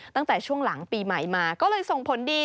ตั้งแต่ช่วงหลังปีใหม่มาก็เลยส่งผลดี